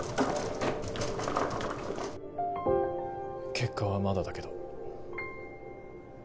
結果はまだだけど。